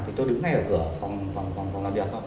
thì tôi đứng ngay ở cửa phòng làm việc